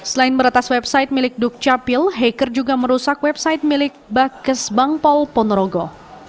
selain meretas website milik dukcapil hacker juga merusak website milik bakes bangpol ponorogo